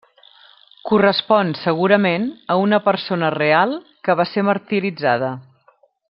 Correspon, segurament, a una persona real que va ser martiritzada.